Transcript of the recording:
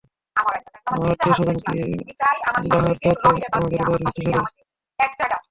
আমার আত্মীয়-স্বজন কি আল্লাহর চাইতেও তোমাদের উপর অধিক শক্তিশালী?